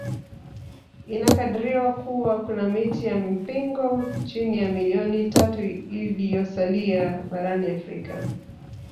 Inakadiriwa kuwa kuna miti ya mpingo chini ya milioni tatu iliyosalia barani Afrika